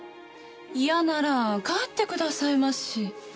嫌なら帰ってくださいまし。